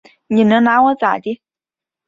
你能拿我咋地？